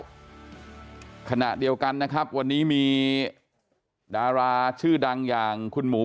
ขึ้นอยู่แล้วขณะเดียวกันนะครับวันนี้มีดาราชื่อดังอย่างคุณหมู